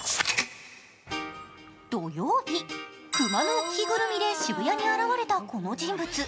土曜日、熊の着ぐるみで渋谷に現れたこの人物。